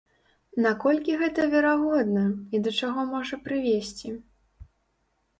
На колькі гэта верагодна і да чаго можа прывесці?